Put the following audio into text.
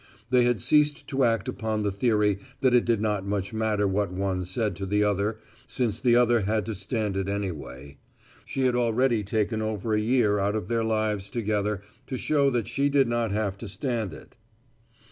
They had ceased to act upon the theory that it did not much matter what one said to the other since the other had to stand it anyway. She had already taken over a year out of their lives together to show that she did not have to stand it.